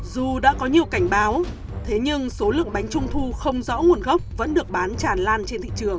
dù đã có nhiều cảnh báo thế nhưng số lượng bánh trung thu không rõ nguồn gốc vẫn được bán tràn lan trên thị trường